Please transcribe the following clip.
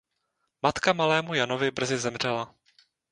Matka malému Janovi brzy zemřela.